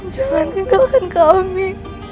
jangan tinggalkan kami